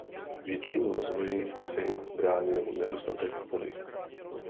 Většímu rozvoji vsi bránil nedostatek vody.